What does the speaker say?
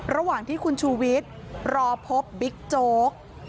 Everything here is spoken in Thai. ระหว่างที่คุณชูวิทย์รอพบบิ๊กโจ๊ก